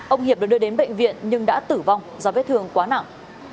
ông hiệp được đưa đến bệnh viện nhưng đã tử vong do vết thương quá nặng